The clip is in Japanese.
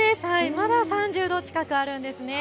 まだ３０度近くあるんですね。